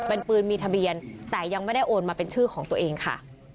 เป็นปืนมีทะเบียนแต่ยังไม่ได้โอนมาเป็นชื่อของตัวเองค่ะ